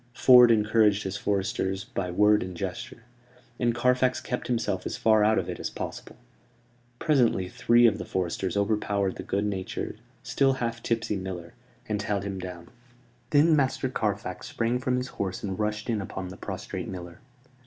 Ford encouraged his foresters by word and gesture; and Carfax kept himself as far out of it as possible. Presently three of the foresters overpowered the good natured, still half tipsy miller, and held him down. Then Master Carfax sprang from his horse and rushed in upon the prostrate miller.